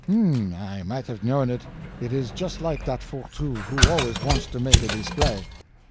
"H'm! I might have known it. It is just like that Fourtou, who always wants to make a display."